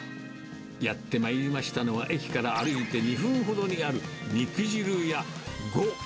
やってまいりましたのは、駅から歩いて２分ほどにある、肉じるや５。